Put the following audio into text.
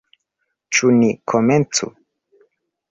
Ĉu ni komencu?